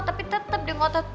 tapi tetep dia ngotot